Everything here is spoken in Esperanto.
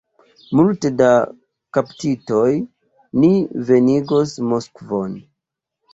Multe da kaptitoj ni venigos Moskvon!